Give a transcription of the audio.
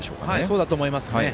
そうだと思いますね。